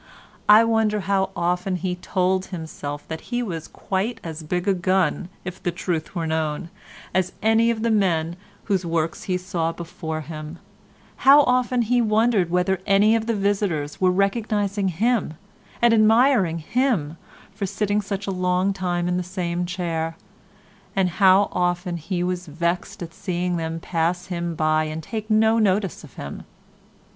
I wonder how often he told himself that he was quite as big a gun, if the truth were known, as any of the men whose works he saw before him, how often he wondered whether any of the visitors were recognizing him and admiring him for sitting such a long time in the same chair, and how often he was vexed at seeing them pass him by and take no notice of him.